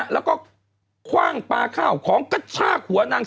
แล้วก็คว่างปลาข้าวของกระชากหัวนาง